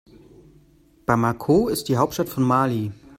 Bamako ist die Hauptstadt von Mali.